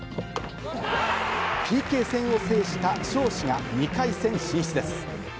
ＰＫ戦を制した尚志が２回戦進出です。